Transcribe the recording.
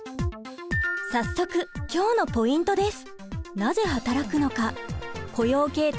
早速今日のポイントです。